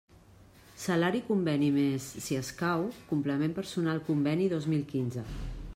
Salari Conveni més, si escau, Complement personal Conveni dos mil quinze.